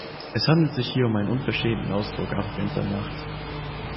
Es handelt sich hier um einen unverschämten Ausdruck arroganter Macht!